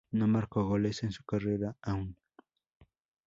No marcó goles en su carrera aún.